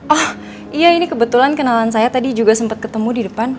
oh iya ini kebetulan kenalan saya tadi juga sempat ketemu di depan